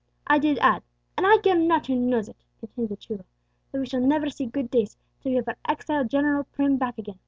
I did add and I care not who knows it," continued the chulo, "that we shall never see good days till we have our exiled General Prim back again!